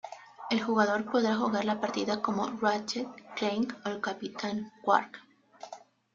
El jugador podrá jugar la partida como Ratchet, Clank o el Capitán Qwark.